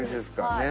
ねえ。